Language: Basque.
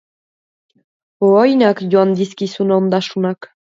Ohoinak joan dizkizun ondasunak.